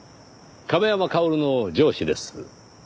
亀山薫の上司です。